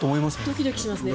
ドキドキしますね。